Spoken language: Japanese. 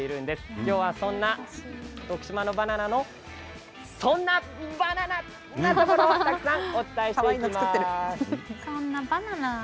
今日はそんな徳島のバナナのそんなバナナなところをたくさんお伝えしていきます。